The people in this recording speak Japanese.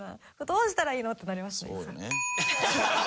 どうしたらいいの？ってなりますね。